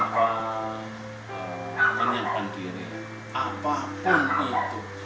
saya sudah menyembahkan diri apapun itu